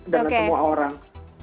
dengan semua orang